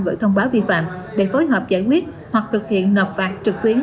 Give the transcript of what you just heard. gửi thông báo vi phạm để phối hợp giải quyết hoặc thực hiện nọp phạt trực tuyến